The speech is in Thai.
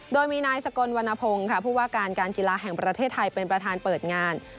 โดยมีนายสกลวรรณพงศ์ค่ะผู้ว่าการการกีฬาแห่งประเทศไทยเป็นประธานเปิดงาน